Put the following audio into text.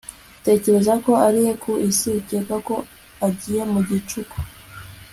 utekereza ko ari he ku isi ukeka ko agiye mu gicuku